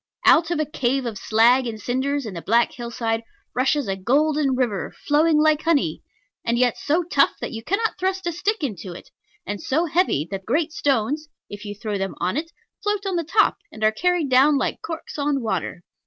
Out of a cave of slag and cinders in the black hillside rushes a golden river, flowing like honey, and yet so tough that you cannot thrust a stick into it, and so heavy that great stones (if you throw them on it) float on the top, and are carried down like corks on water.